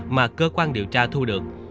mà cơ quan điều tra thu được